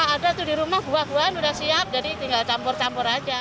ada tuh di rumah buah buahan udah siap jadi tinggal campur campur aja